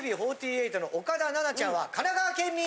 ＡＫＢ４８の岡田奈々ちゃんは神奈川県民！